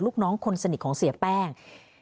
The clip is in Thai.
ลูกน้องคนสนิทของเสียแป้ง